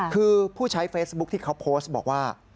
คือผู้ใช้เฟซบุ๊คที่เขาโพสต์บอกว่า